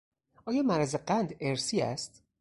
آیا مرض قند ارثی است؟